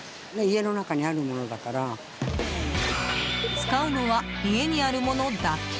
使うのは家にあるものだけ。